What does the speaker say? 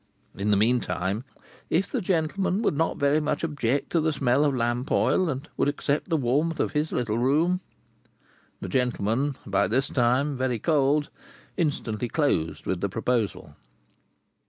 In the meantime, if the gentleman would not very much object to the smell of lamp oil, and would accept the warmth of his little room.—The gentleman being by this time very cold, instantly closed with the proposal.